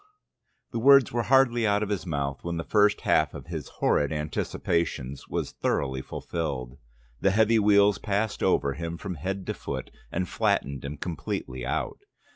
The words were hardly out of his mouth, when the first half of his horrid anticipations was thoroughly fulfilled. The heavy wheels passed over him from head to foot and flattened him completely out.